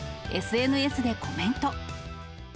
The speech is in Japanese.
と、ＳＮＳでコメント。